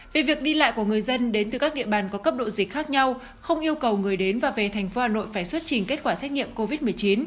về việc đi lại của người dân đến từ các địa bàn có cấp độ dịch khác nhau không yêu cầu người đến và về thành phố hà nội phải xuất trình kết quả xét nghiệm covid một mươi chín